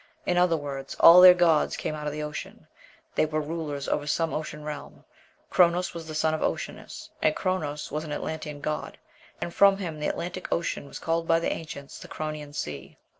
In other words, all their gods came out of the ocean; they were rulers over some ocean realm; Chronos was the son of Oceanus, and Chronos was an Atlantean god, and from him the Atlantic Ocean was called by the ancients "the Chronian Sea."